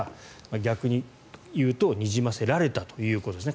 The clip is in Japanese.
逆にいうとにじませられたということですね